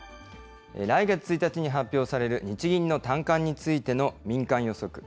来月１日に発表される日銀の短観についての民間予測。